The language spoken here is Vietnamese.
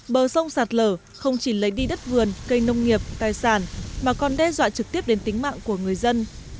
bờ sông sạt lở không chỉ lấy đi đất vườn cây nông nghiệp tài sản mà còn đe dọa trực tiếp đến tính mạng của người dân